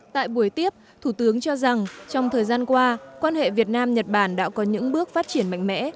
tại buổi tiếp thủ tướng cho rằng trong thời gian qua quan hệ việt nam nhật bản đã có những bước phát triển mạnh mẽ